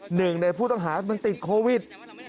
หนึ่งในผู้ต้องหามันติดโควิด